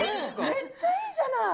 めっちゃいいじゃない！